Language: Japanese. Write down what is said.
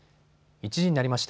１時になりました。